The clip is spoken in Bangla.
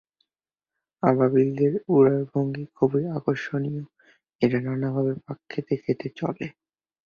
আবাবিলদের উড়ার ভঙ্গি খুবই আকর্ষণীয়, এরা নানাভাবে পাক খেতে খেতে চলে।